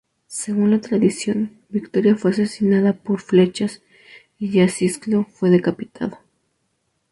Según la tradición, Victoria fue asesinada por flechas y Acisclo fue decapitado.